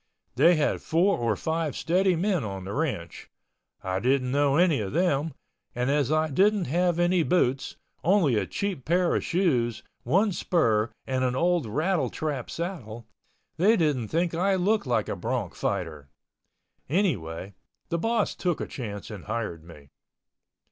They had four or five steady men on the ranch. I didn't know any of them, and as I didn't have any boots, only a cheap pair of shoes, one spur and an old rattle trap saddle, they didn't think I looked like a bronc fighter. Anyway the boss took a chance and hired me.